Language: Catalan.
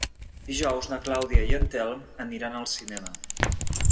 Dijous na Clàudia i en Telm aniran al cinema.